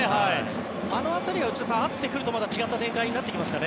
あの辺りが内田さん合ってくると違った展開になってきますかね。